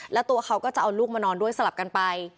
แล้วตัวเขาก็จะเอาลูกมานอนด้วยสลับกันไป